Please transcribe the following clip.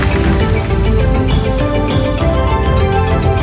โชว์สี่ภาคจากอัลคาซ่าครับ